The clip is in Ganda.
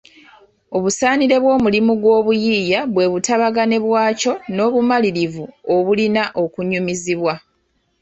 Obusaanire bw’omulimu gw’obuyiiya bwe butabagane bwakyo n’obumanyirivu obulina okunyumizibwa